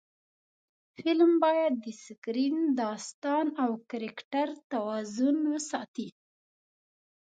فلم باید د سکرېن، داستان او کرکټر توازن وساتي